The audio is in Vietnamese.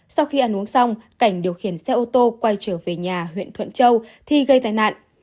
sau khi ăn uống xong cảnh điều khiển xe ô tô quay trở về nhà huyện thuận châu thì gây tai nạn